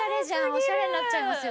おしゃれになっちゃいますよ。